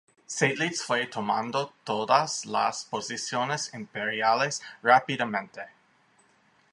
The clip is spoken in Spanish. Seydlitz fue tomando todas las posiciones imperiales rápidamente.